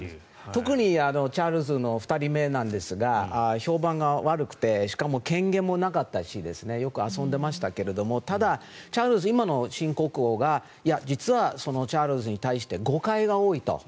特にチャールズの２人目ですが評判が悪くてしかも、権限もなかったしよく遊んでいましたけれどもただ、今の新国王が実はチャールズに対して誤解が多いと。